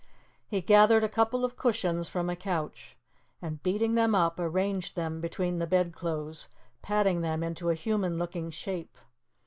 He gathered a couple of cushions from a couch, and, beating them up, arranged them between the bedclothes, patting them into a human looking shape.